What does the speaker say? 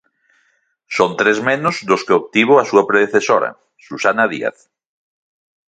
Son tres menos dos que obtivo a súa predecesora, Susana Díaz.